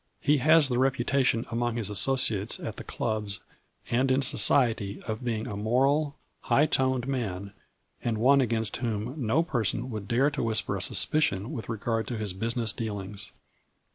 He has the reputation among his associates at the clubs, and in society, of being a moral, high toned man, and one against whom no person would dare to whisper a sus picion with regard to his business dealings.